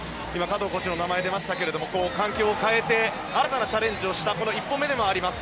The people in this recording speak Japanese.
加藤コーチの名前が出ましたが環境を変えて新たなチャレンジをした一歩目でもあります。